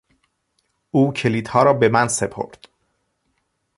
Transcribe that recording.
او کلیدها را به من سپرد.